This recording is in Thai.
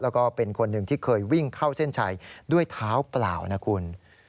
แล้วก็เป็นคนหนึ่งที่เคยวิ่งเข้าเส้นชัยด้วยเท้าเปล่านะคุณ